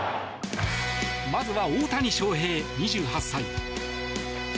まずは大谷翔平、２８歳。